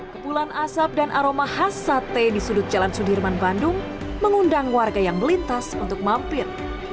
kepulan asap dan aroma khas sate di sudut jalan sudirman bandung mengundang warga yang melintas untuk mampir